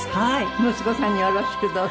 息子さんによろしくどうぞ。